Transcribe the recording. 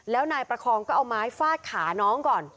แล้วนายประคองก็เอาไม้ฟาดขาน้องก่อน